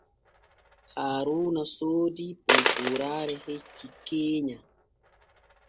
Haaruuna soodii poopooraare hecce keenya.